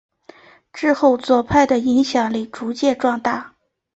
之后左派的影响力逐渐壮大。